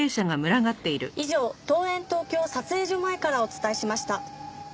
以上東演東京撮影所前からお伝えしました。